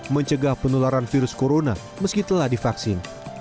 mencegah penularan virus corona meski telah divaksin